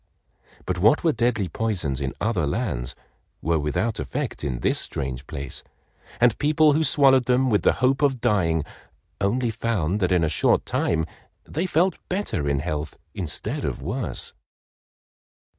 But what were deadly poisons in other lands were without effect in this strange place, and people who swallowed them with the hope of dying, only found that in a short time they felt better in health instead of worse.